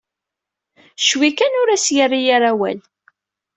Cwi kan ur as-yerri ara awal.